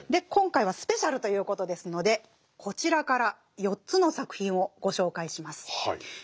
今回スペシャルということですのでこちらから４つの作品をご紹介します。